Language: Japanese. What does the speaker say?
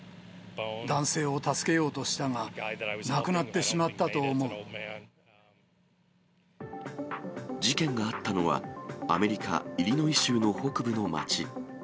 男性を助けようとしたが、亡くな事件があったのは、アメリカ・イリノイ州の北部の町。